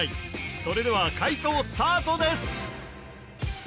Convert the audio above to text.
それでは解答スタートです